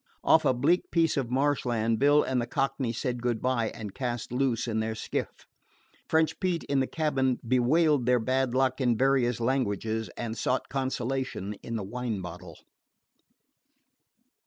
Off a bleak piece of marshland Bill and the Cockney said good by and cast loose in their skiff. French Pete, in the cabin, bewailed their bad luck in various languages, and sought consolation in the wine bottle.